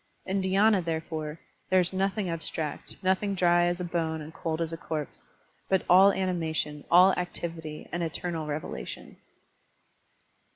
In dhy^na, therefore, there is nothing abstract, nothing dry as a bone and cold as a corpse, but all animation, all activity, and eternal revelation.